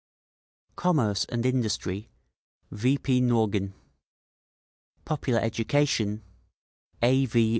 Commerce and Industry: V. P. Nogin Popular Education: A. V.